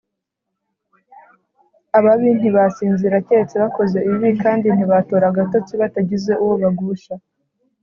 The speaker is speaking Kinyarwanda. ababi ntibasinzira keretse bakoze ibibi, kandi ntibatora agatotsi batagize uwo bagusha,